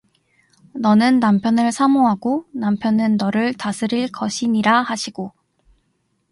너는 남편을 사모하고 남편은 너를 다스릴 것이니라 하시고